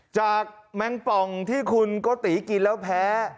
แมงป่องที่คุณโกติกินแล้วแพ้